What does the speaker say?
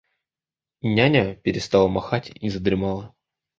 Няня перестала махать и задремала.